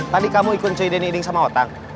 tadi kamu ikut coy denny iding sama otan